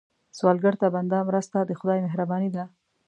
سوالګر ته بنده مرسته، د خدای مهرباني ده